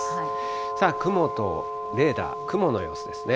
雲とレーダー、雲の様子ですね。